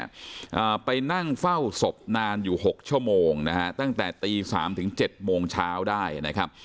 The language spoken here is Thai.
อ่าไปนั่งเฝ้าศพนานอยู่หกชั่วโมงนะฮะตั้งแต่ตีสามถึงเจ็ดโมงเช้าได้นะครับ